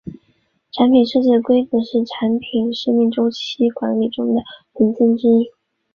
产品设计规格是产品生命周期管理中的文件之一。